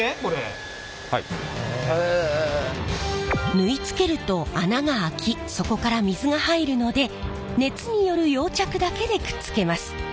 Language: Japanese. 縫い付けると穴が開きそこから水が入るので熱による溶着だけでくっつけます。